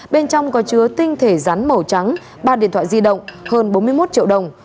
bên trong có chứa tinh thể rắn màu trắng ba điện thoại di động hơn bốn mươi một triệu đồng